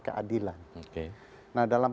keadilan nah dalam